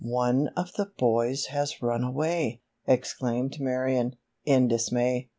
"One of the boys has run away!" exclaimed Marion, in dismay.